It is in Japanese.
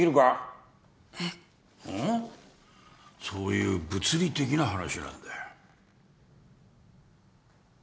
そういう物理的な話なんだよ。